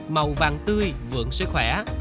màu vàng tươi vượng sức khỏe